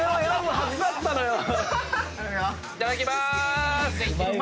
いただきまーす。